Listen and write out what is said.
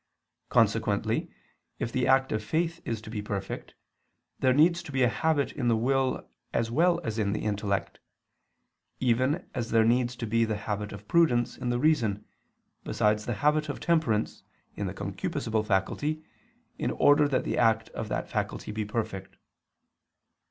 Consequently, if the act of faith is to be perfect, there needs to be a habit in the will as well as in the intellect: even as there needs to be the habit of prudence in the reason, besides the habit of temperance in the concupiscible faculty, in order that the act of that faculty be perfect.